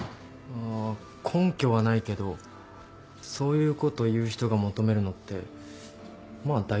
あ根拠はないけどそういうこと言う人が求めるのってまあ